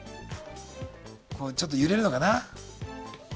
こうちょっと揺れるのかな。